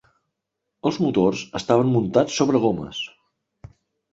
Els motors estaven muntats sobre gomes.